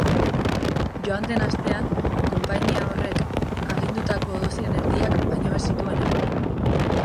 Joan den astean, konpainia horrek agindutako dosien erdiak baino ez zituen eman.